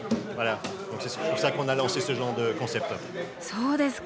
そうですか。